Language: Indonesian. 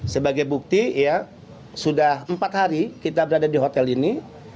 sebagai bukti ya sudah empat hari kita berada di hotel ini